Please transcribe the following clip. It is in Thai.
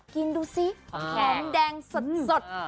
กินดูสิหอมแดงสด